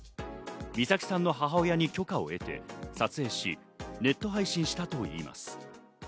美咲さんの母親に許可を得て撮影し、ネット配信したといいます。